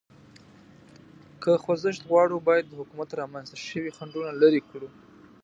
که خوځښت غواړو، باید د حکومت رامنځ ته شوي خنډونه لرې کړو.